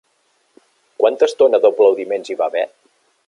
Quanta estona d'aplaudiments hi va haver?